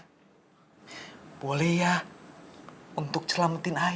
ya boleh ya untuk selamatin ayah